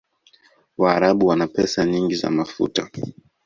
waarabu wana pesa nyingi za mafuta